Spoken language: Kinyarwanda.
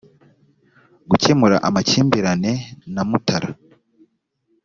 gukemura amakimbirane na mutara